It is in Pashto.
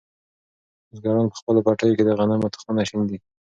بزګران په خپلو پټیو کې د غنمو تخمونه شیندي.